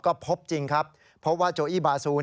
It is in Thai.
ก็พบจริงครับเพราะว่าโจอี้บาซู